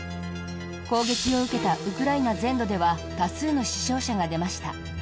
攻撃を受けたウクライナ全土では多数の死傷者が出ました。